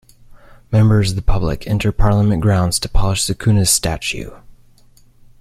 Members of the public enter Parliament grounds to polish Sukuna's statue.